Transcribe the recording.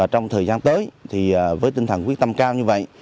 trong thời gian tới với tinh thần quyết tâm cao